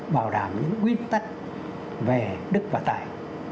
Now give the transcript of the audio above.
bảo đảm những quy tắc về đức và tài